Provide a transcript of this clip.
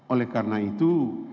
oleh karena itu